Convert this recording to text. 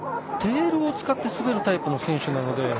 テールを使って滑るタイプの選手なので。